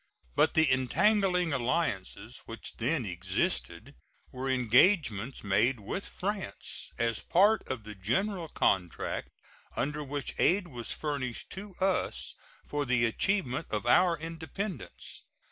But the entangling alliances which then existed were engagements made with France as a part of the general contract under which aid was furnished to us for the achievement of our independence.